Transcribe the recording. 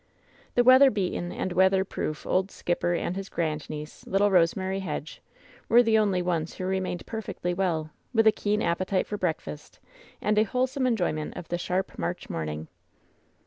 The weather beaten and weather proof old skipper and his grandniece, little Rosemary Hedge, "were the only ones who remained perfectly well, with a keen appetite for breakfast and a wholesome enjoyment of the sharp March morning.